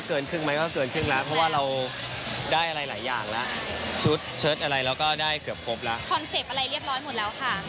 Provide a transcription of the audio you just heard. คอนเซปต์อะไรเรียบร้อยหมดแล้วค่ะ